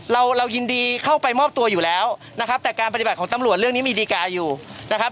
เราเรายินดีเข้าไปมอบตัวอยู่แล้วนะครับแต่การปฏิบัติของตำรวจเรื่องนี้มีดีการอยู่นะครับ